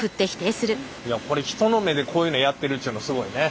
これ人の目でこういうのやってるっちゅうのすごいね。